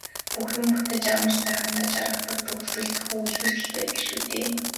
Бүх юм бүтэж амар сайхандаа жаргадаг төгсгөл зөвхөн үлгэрт л байдаг шүү дээ.